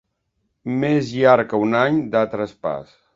Més llarg que un any de traspàs.